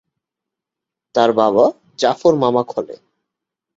তার বাবা জাফর মামাখলে।